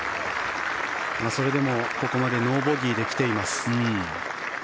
それでもここまでノーボギーで来ています。